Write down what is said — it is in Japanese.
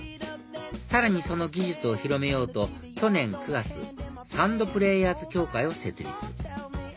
さらにその技術を広めようと去年９月サンドプレイヤーズ協会を設立